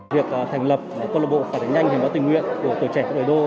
việc thành lập công lạc bộ phản ứng nhanh hiến máu tình nguyện của tuổi trẻ của đời đô